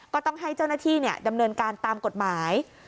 ก็ต้องให้เจ้าหน้าที่ดำเนินการตามกฎหมาย